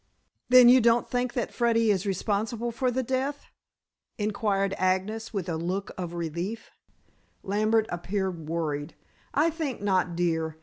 "Then you don't think that Freddy is responsible for the death?" inquired Agnes with a look of relief. Lambert appeared worried. "I think not, dear.